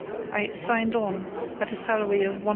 I "signed on" at a salary of 1s.